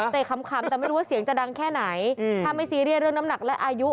แต่ขำแต่ไม่รู้ว่าเสียงจะดังแค่ไหนถ้าไม่ซีเรียสเรื่องน้ำหนักและอายุ